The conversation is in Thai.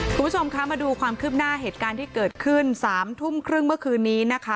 คุณผู้ชมคะมาดูความคืบหน้าเหตุการณ์ที่เกิดขึ้น๓ทุ่มครึ่งเมื่อคืนนี้นะคะ